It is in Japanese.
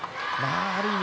ある意味